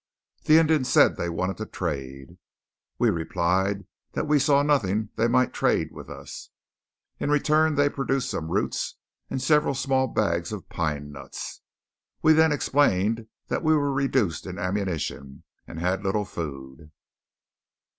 The Indians said they wanted to trade. We replied that we saw nothing they might trade with us. In return they produced some roots and several small bags of pine nuts. We then explained that we were reduced in ammunition, and had little food.